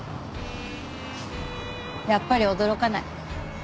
やっぱり驚かない。